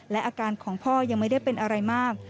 และอาการของพ่อยังไม่ได้เป็นอะไรมาก